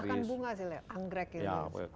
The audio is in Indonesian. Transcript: bahkan bunga sih anggrek itu